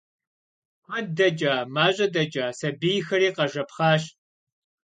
Kued deç'a, maş'e deç'a – sabiyxeri khejjepxhaş.